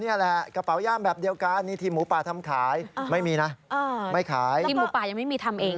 นี่แหละกระเป๋าย่ามแบบเดียวกันนี่ทีมหมูป่าทำขายไม่มีนะไม่ขายทีมหมูป่ายังไม่มีทำเอง